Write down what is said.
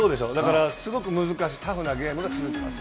すごく難しいタフなゲームが続きます。